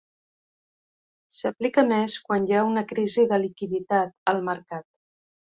S'aplica més quan hi ha una crisi de liquiditat al mercat.